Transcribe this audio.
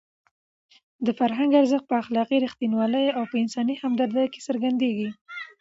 د فرهنګ ارزښت په اخلاقي رښتینولۍ او په انساني همدردۍ کې څرګندېږي.